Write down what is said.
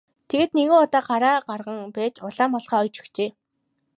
Тэгээд нэгэн удаа гараа гарган байж улаан малгай оёж өгчээ.